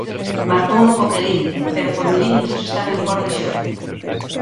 Marcouno Coquelín pero por milímetros estaba en fóra de xogo.